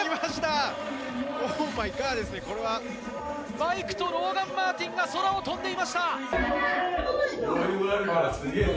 バイクとローガン・マーティンが空を飛んでいました。